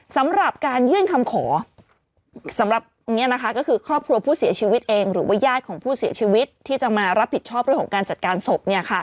สำหรับการยื่นคำขอสำหรับก็คือครอบครัวผู้เสียชีวิตเองหรือว่าญาติของผู้เสียชีวิตที่จะมารับผิดชอบเรื่องของการจัดการศพ